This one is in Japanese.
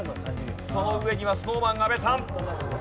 その上にはＳｎｏｗＭａｎ阿部さん。